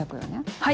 はい。